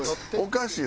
おかしい